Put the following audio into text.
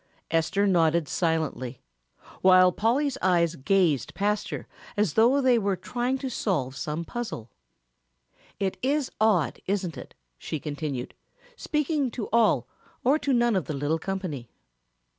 Esther nodded silently, while Polly's eyes gazed past her as though they were trying to solve some puzzle. "It is odd, isn't it," she continued, speaking to all or to none of the little company.